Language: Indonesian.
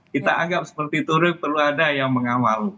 kita anggap seperti itu perlu ada yang mengawal